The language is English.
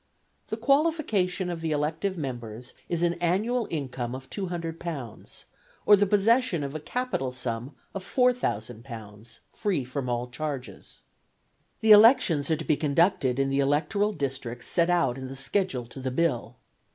The qualification of the elective members is an annual income of £200, or the possession of a capital sum of £4000 free from all charges. The elections are to be conducted in the electoral districts set out in the schedule to the Bill.